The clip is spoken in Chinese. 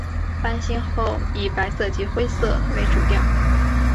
翻新后以白色及灰色为主调。